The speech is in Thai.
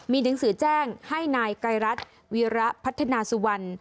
มีหนังสือแจ้งให้นายไกรรัฐวีระพัฒนาสุวรรณ